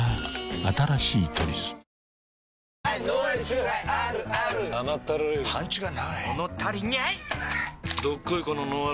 新しい「トリス」あぃ！